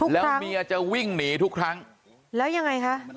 แล้วเมียจะวิ่งหนีทุกครั้งแล้วยังไงคะ